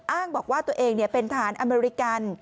อ้างบอกว่าตัวเองเป็นทหารอเมริกัน